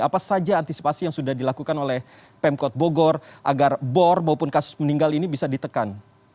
apa saja antisipasi yang sudah dilakukan oleh pemkot bogor agar bor maupun kasus meninggal ini bisa ditekan